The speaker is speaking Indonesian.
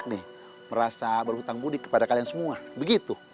nah bapak pencopet yang asli itu ada di situ tuh